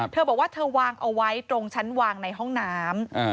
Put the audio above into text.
เธอบอกว่าเธอวางเอาไว้ตรงชั้นวางในห้องน้ำ